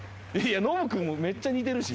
ノブ君もめっちゃ似てるし。